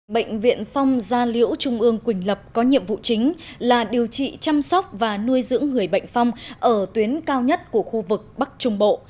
bệnh viện phong gia liễu trung ương quỳnh lập có nhiệm vụ chính là điều trị chăm sóc và nuôi dưỡng người bệnh phong ở tuyến cao nhất của khu vực bắc trung bộ